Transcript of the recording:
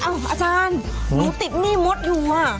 อาจารย์หนูติดหนี้มดอยู่